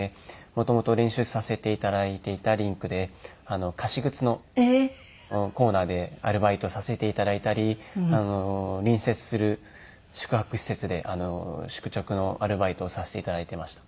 元々練習させて頂いていたリンクで貸し靴のコーナーでアルバイトさせて頂いたり隣接する宿泊施設で宿直のアルバイトをさせて頂いていました。